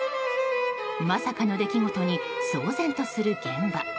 まさかの出来事に騒然とする現場。